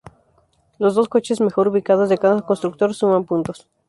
Los dos coches mejor ubicados de cada constructor suman puntos.